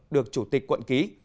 được chủ tịch quận ký